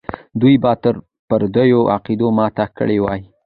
دوی به د پردیو عقیده ماته کړې وي.